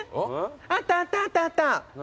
あったあったあったあった。